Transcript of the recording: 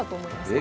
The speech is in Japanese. え？